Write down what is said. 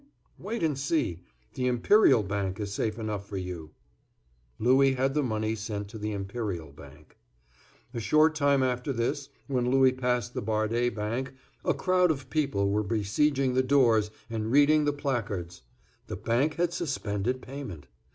Wait and see. The Imperial Bank is safe enough for you." Louis had the money sent to the Imperial Bank. A short time after this, when Louis passed the Bardé Bank, a crowd of people were besieging the doors and reading the placards; the Bank had suspended payment.